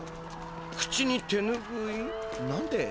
口に手ぬぐい？何で？